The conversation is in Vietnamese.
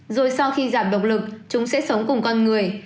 rồi sau khi giảm động lực chúng sẽ sống cùng con người